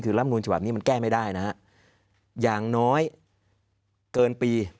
คือรับนูลฉบับนี้มันแก้ไม่ได้นะฮะอย่างน้อยเกินปี